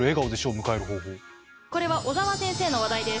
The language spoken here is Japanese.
これは小澤先生の話題です。